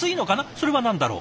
それは何だろう？